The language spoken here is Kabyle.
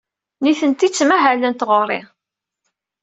Nitenti ttmahalent ɣer-i.